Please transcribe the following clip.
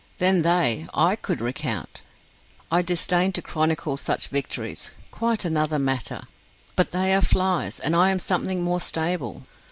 Then they ... I could recount ... I disdain to chronicle such victories. Quite another matter. But they are flies, and I am something more stable.